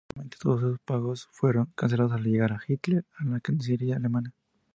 Finalmente, todos esos pagos fueron cancelados al llegar Hitler a la Cancillería Alemana.